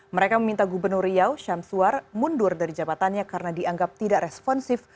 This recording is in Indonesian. mereka meminta gubernur riau syamsuar mundur dari jabatannya karena dianggap tidak responsif